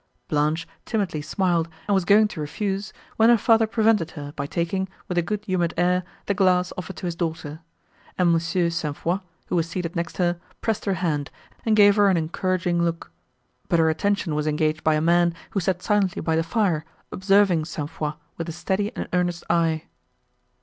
Blanche timidly smiled, and was going to refuse, when her father prevented her, by taking, with a good humoured air, the glass offered to his daughter; and Mons. St. Foix, who was seated next her, pressed her hand, and gave her an encouraging look, but her attention was engaged by a man, who sat silently by the fire, observing St. Foix, with a steady and earnest eye.